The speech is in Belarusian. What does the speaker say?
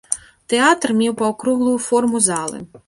Тэатр меў паўкруглую форму залы.